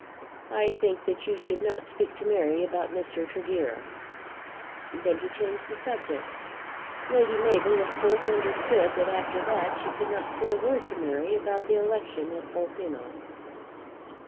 I think that you should not speak to Mary about Mr. Tregear." Then he changed the subject. Lady Mabel of course understood that after that she could not say a word to Mary about the election at Polpenno.